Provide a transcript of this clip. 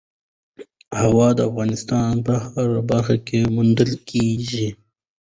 هوا د افغانستان په هره برخه کې موندل کېږي.